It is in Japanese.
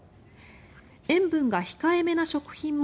塩分が控えめな食品も